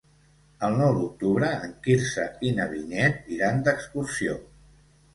El nou d'octubre en Quirze i na Vinyet iran d'excursió.